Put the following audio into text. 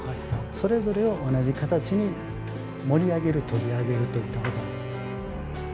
それぞれを同じ形に盛り上げるといった技。